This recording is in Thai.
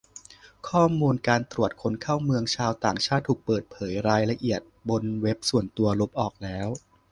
ข้อมูลการตรวจคนเข้าเมืองชาวต่างชาติถูกเปิดเผยรายละเอียดบนเว็บส่วนตัว ลบออกแล้ว